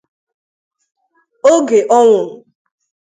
oge ọ nwụrụ